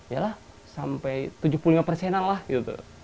yalah sampai tujuh puluh lima an lah gitu